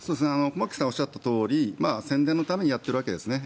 駒木さんがおっしゃったように宣伝のためにやっているわけですね。